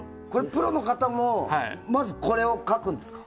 プロの方もまずこれを描くんですか？